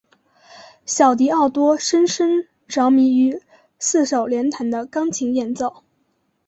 小狄奥多深深着迷于四手联弹的钢琴演奏。